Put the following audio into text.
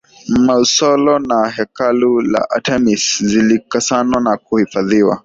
Mausolo na Hekalu la Artemis zilikusanwa na kuhifadhiwa